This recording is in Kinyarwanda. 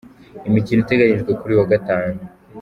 Imikino iteganyijwe kuri uyu wa gatanu:.